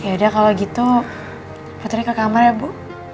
ya udah kalau gitu putri ke kamar ya bu